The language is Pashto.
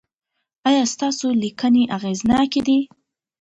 ایا ستاسو لیکنې اغیزناکې دي؟